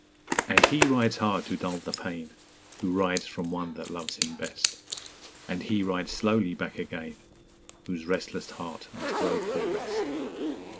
} _And he rides hard to dull the pain Who rides from one that loves him best; And he rides slowly back again, Whose restless heart must rove for rest.